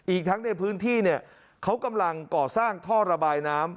อีกทั้งในพื้นที่เนี่ยเขากำลังก่อสร้างท่อระบายน้ำ